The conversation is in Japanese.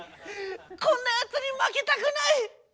こんなやつに負けたくない！